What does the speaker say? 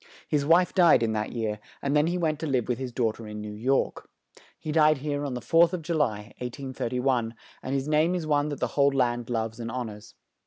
His wife died in that year, and then he went to live with his daugh ter in New York. He died here on the 4th of Ju ly, 1831, and his name is one that the whole land loves and hon ors.